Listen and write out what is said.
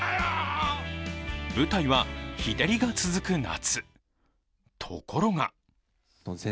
舞台は日照りが続く夏。